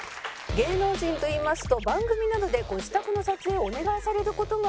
芸能人といいますと番組などでご自宅の撮影をお願いされる事があると思います。